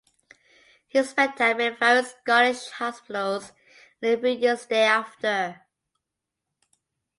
He spent time in various Scottish hospitals in the few years thereafter.